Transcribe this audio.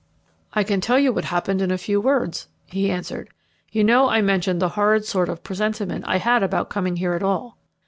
"I can tell you what happened in a few words," he answered. "You know I mentioned the horrid sort of presentiment I had about coming here at all.